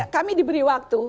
kami diberi waktu